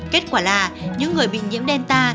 kết quả là những người bị nhiễm delta